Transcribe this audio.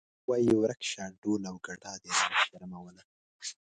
وایې ورک شه ډول او ګډا دې راوشرموله.